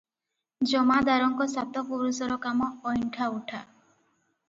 ଜମାଦାରଙ୍କ ସାତ ପୁରୁଷର କାମ ଅଇଣ୍ଠା ଉଠା ।